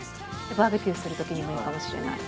バーベキューする時にもいいかもしれない。